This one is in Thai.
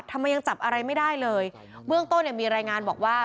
ทำไมยังจับอะไรไม่ได้เลยเบื้องต้นเนี่ยมีรายงานบอกว่า